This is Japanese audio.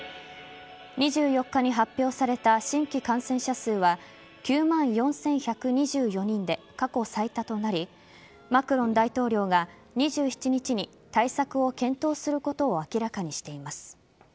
２４日に発表された新規感染者数は９万４１２４人で過去最多となりマクロン大統領が２７日に対策を検討することを明らかにしています。